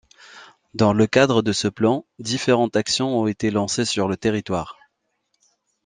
Dans le cadre de ce plan, différentes actions ont été lancées sur le territoire.